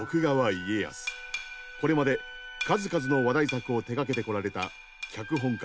これまで数々の話題作を手がけてこられた脚本家